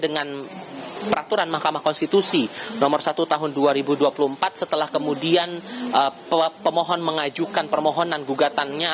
dengan peraturan mahkamah konstitusi nomor satu tahun dua ribu dua puluh empat setelah kemudian pemohon mengajukan permohonan gugatannya